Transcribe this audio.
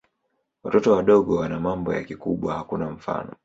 Watoto wadogo wana mambo ya kikubwa hakuna mfano.